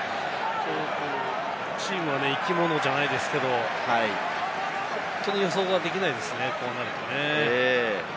チームは生き物じゃないですけれども、本当に予想ができないですね。